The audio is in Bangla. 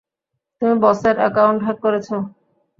তুমি বসের একাউন্ট হ্যাঁক করেছ?